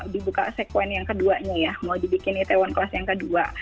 dibuka sekuen yang keduanya ya mau dibikin itaewon kelas yang kedua